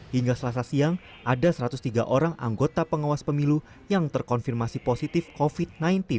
hingga selasa siang ada satu ratus tiga orang anggota pengawas pemilu yang terkonfirmasi positif covid sembilan belas